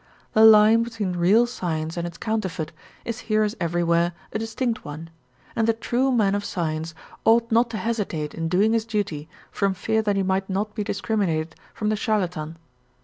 The line between real science and its counterfeit is here as everywhere a distinct one, and the true man of science ought not to hesitate in doing his duty from fear that he might not be discriminated from the charlatan.